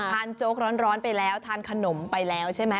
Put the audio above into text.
โจ๊กร้อนไปแล้วทานขนมไปแล้วใช่ไหม